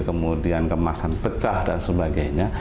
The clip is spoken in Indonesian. kemudian kemasan pecah dan sebagainya